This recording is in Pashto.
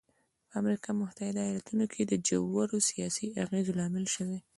په امریکا متحده ایالتونو کې د ژورو سیاسي اغېزو لامل شوی.